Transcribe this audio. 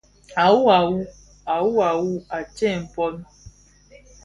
A wuwu, a wuwu, à tsem pong.